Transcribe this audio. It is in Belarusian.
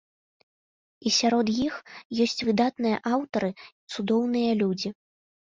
І сярод іх ёсць выдатныя аўтары і цудоўныя людзі.